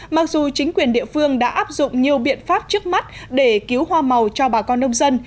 mặc dù chính quyền địa phương đã áp dụng nhiều biện pháp trước mắt để cứu hoa màu cho bà con nông dân